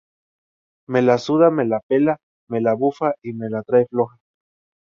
Me la suda, me la pela, me la bufa y me la trae floja